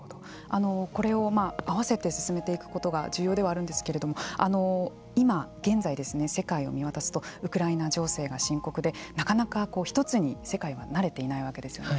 これを合わせて進めていくことが重要ではあるんですけれども今現在世界を見渡すとウクライナ情勢が深刻で１つに世界がなれていないわけですよね。